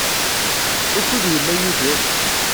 Wukud yella Yidir?